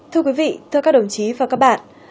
thưa quý vị thưa các đồng chí và các bạn